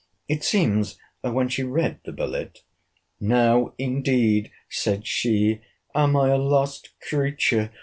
It seems, when she read the billet—Now indeed, said she, am I a lost creature!